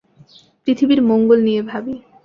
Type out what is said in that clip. পৃথিবীর মঙ্গল নিয়ে ভাবি।